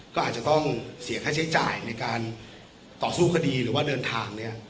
ก็อาจจะต้องเสียค่าใช้จ่ายในการต่อสู้คดีหรือว่าเดินทาง